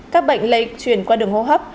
các bệnh lây chuyển qua đường hô hấp